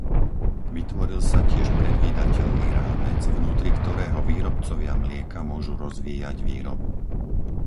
Vytvoril sa tiež predvídateľný rámec, vnútri ktorého výrobcovia mlieka môžu rozvíjať výrobu.